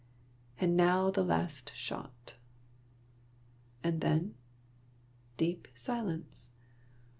And now the last shot. And then — deep silence.